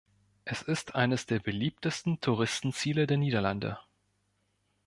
Er ist eines der beliebtesten Touristenziele der Niederlande.